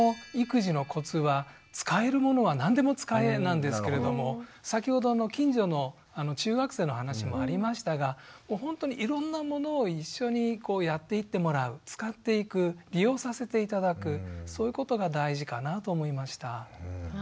なんですけれども先ほど近所の中学生の話もありましたがほんとにいろんなものを一緒にやっていってもらう使っていく利用させて頂くそういうことが大事かなと思いました。